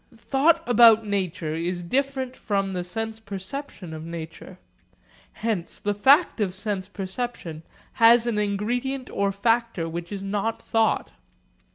Thought about nature is different from the sense perception of nature. Hence the fact of sense perception has an ingredient or factor which is not thought.